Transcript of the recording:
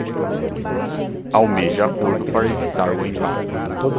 Almeja acordo para evitar o embate